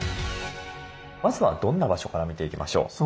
まずはどんな場所から見ていきましょう？